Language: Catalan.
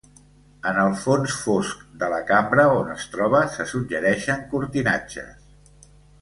En el fons fosc de la cambra on es troba se suggereixen cortinatges.